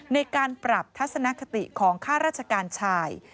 ในการปรับทัศนคติของข้าราชการชาย